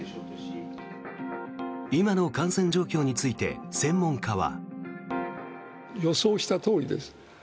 今の感染状況について専門家は。